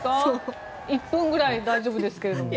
１分ぐらい大丈夫ですけど。